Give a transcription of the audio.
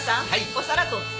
お皿取って。